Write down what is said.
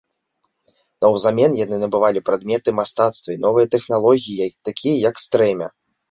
Наўзамен яны набывалі прадметы мастацтва і новыя тэхналогіі, такія, як стрэмя.